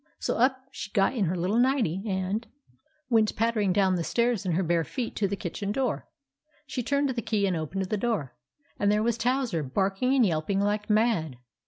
So up she got in her little nightie, and 52 THE ADVENTURES OF MABEL went pattering down the stairs in her bare feet to the kitchen door. She turned the key and opened the door, and there was Towser barking and yelping like mad.